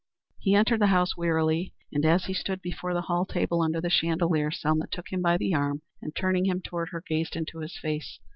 He entered the house wearily, and as he stood before the hall table under the chandelier, Selma took him by the arm and turning him toward her gazed into his face.